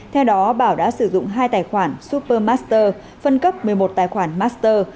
theo đó bảo đã sử dụng hai tài khoản supermaster phân cấp một mươi một tài khoản master